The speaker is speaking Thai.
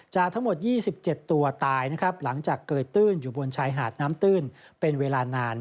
ทั้งหมด๒๗ตัวตายนะครับหลังจากเกยตื้นอยู่บนชายหาดน้ำตื้นเป็นเวลานาน